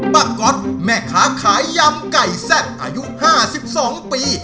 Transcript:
ก๊อตแม่ค้าขายยำไก่แซ่บอายุ๕๒ปี